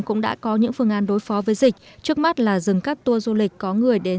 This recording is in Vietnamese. cũng đã có những phương án đối phó với dịch trước mắt là dừng các tour du lịch có người đến